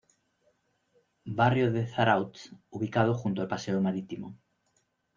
Barrio de Zarautz ubicado junto al paseo marítimo.